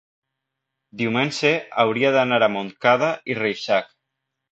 diumenge hauria d'anar a Montcada i Reixac.